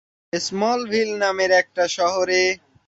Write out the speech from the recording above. Smallville নামের একটা শহরে।